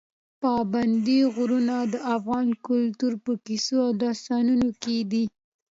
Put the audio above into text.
پابندي غرونه د افغان کلتور په کیسو او داستانونو کې دي.